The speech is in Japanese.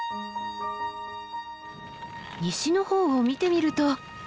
西の方を見てみると。